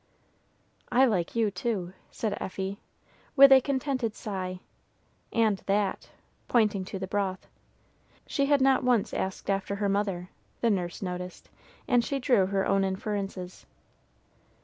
"I like you, too," said Effie, with a contented sigh, "and that," pointing to the broth. She had not once asked after her mother; the nurse noticed, and she drew her own inferences.